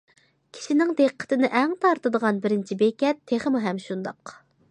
كىشىنىڭ دىققىتىنى ئەڭ تارتىدىغان بىرىنچى بېكەت تېخىمۇ ھەم شۇنداق.